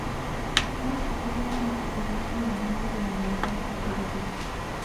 Část očekávaných osadníků zahynula během holokaustu v Evropě.